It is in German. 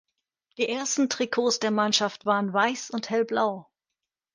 Die ersten Trikots der Mannschaft waren weiß und hellblau.